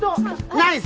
ナイス！